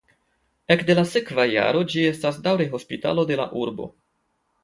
Ekde la sekva jaro ĝi estas daŭre hospitalo de la urbo.